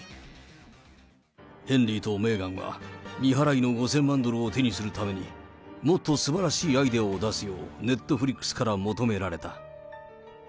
ヘンリーとメーガンは、未払いの５０００万ドルを手にするために、もっとすばらしいアイデアを出すようネットフリックスから求められた。